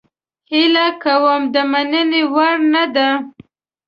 هیله کوم د مننې وړ نه ده.